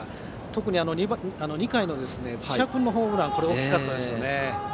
特に２回の土屋君のホームランは大きかったですね。